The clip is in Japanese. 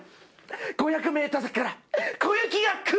５００メートル先から小雪が来る！